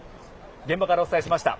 現場からお伝えしました。